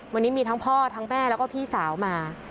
วันนี้มีทั้งพ่อทั้งแม่แล้วก็พี่สาวมา